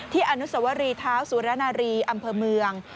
อนุสวรีเท้าสุรณารีอำเภอเมือง